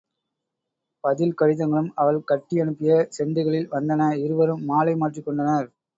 பதில் கடிதங்களும் அவள் கட்டி அனுப்பிய செண்டுகளில் வந்தன இருவரும் மாலை மாற்றிக் கொண்டனர்.